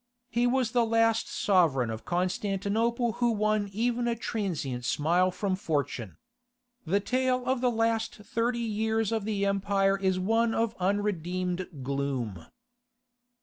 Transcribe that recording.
He was the last sovereign of Constantinople who won even a transient smile from fortune. The tale of the last thirty years of the empire is one of unredeemed gloom.